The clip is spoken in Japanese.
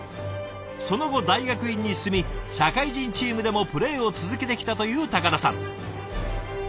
その後大学院に進み社会人チームでもプレーを続けてきたという高田さん。